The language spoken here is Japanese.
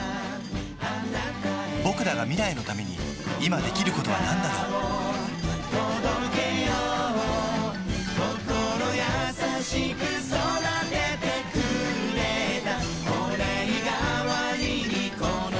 ぼくらが未来のために今できることはなんだろう心優しく育ててくれた